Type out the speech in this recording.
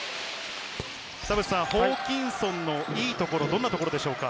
ホーキンソンのいいところ、どんなところでしょうか？